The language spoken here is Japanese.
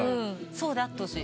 そうであってほしい。